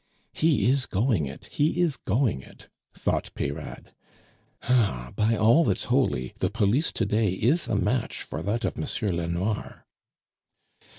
"He is going it! he is going it!" thought Peyrade. "Ah! by all that's holy, the police to day is a match for that of Monsieur Lenoir."